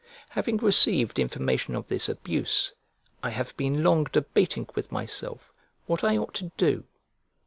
Having received information of this abuse I have been long debating with myself what I ought to do.